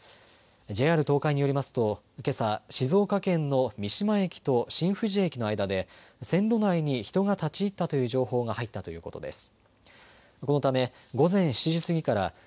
ＪＲ東海によりますと、けさ、静岡県の三島駅と新富士駅の間で、線路内に人が立ち入ったという情報が入ったということです。